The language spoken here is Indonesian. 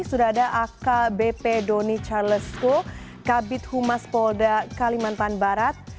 sudah ada akbp doni charlesko kabit humas polda kalimantan barat